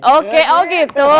oke oh gitu